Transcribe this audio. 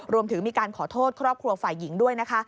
รวมถึงมีการขอโทษครอบครัวฝ่ายหญิงด้วยนะคะ